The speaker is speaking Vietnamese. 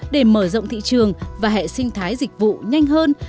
để mở rộng thị trường và hệ sinh thái dịch vụ nhanh hơn